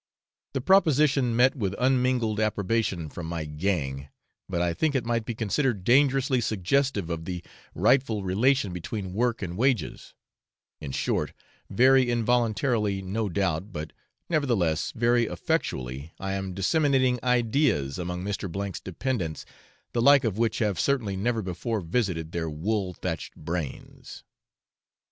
The proposition met with unmingled approbation from my 'gang;' but I think it might be considered dangerously suggestive of the rightful relation between work and wages; in short, very involuntarily no doubt, but, nevertheless, very effectually I am disseminating ideas among Mr. 's dependents, the like of which have certainly never before visited their wool thatched brains.